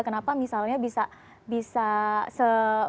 kenapa misalnya bisa se